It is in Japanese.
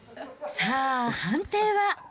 さあ、判定は。